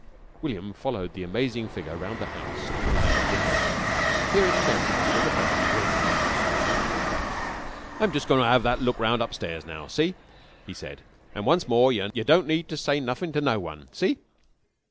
William followed the amazing figure round the house again to the library window. Here it turned to him with a friendly grin. "I'm just goin' to 'ave that look round upstairs now. See?" he said. "An' once more, yer don't need ter say nothin' to no one. See?"